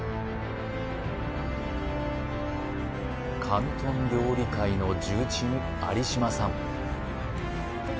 広東料理界の重鎮有島さん